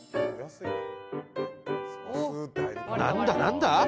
何だ何だ！？